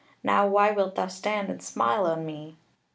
Now why wilt thou stand and smile on me?